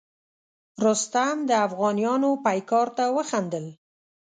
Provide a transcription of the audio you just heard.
رستم د افغانیانو پیکار ته وخندل.